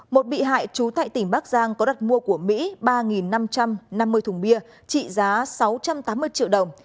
một bị hại trú tại tỉnh bắc giang có đặt mua của mỹ ba năm trăm năm mươi thùng bia trị giá sáu trăm tám mươi triệu đồng